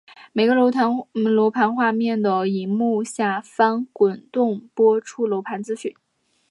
每个楼盘画面的萤幕下方滚动播出楼盘资讯。